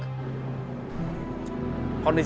kondisi kamu lagi gak memungkinkan